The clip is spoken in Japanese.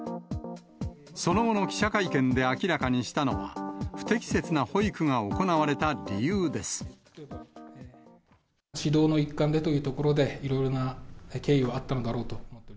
その後の記者会見で明らかにしたのは、指導の一環でというところで、いろいろな経緯はあったのだろうと。